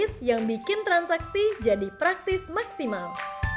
dan scan kris yang bikin transaksi jadi praktis maksimal